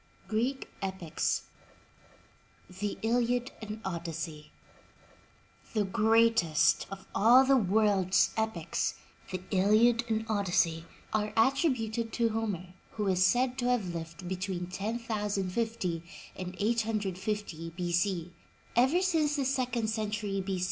*GREEK EPICS THE ILIAD AND ODYSSEY HE greatest of all the world's epics — The Iliad and Odyssey — are attributed to Homer, who is said to have lived between 1050 and 850 B. C. Ever since the second century B.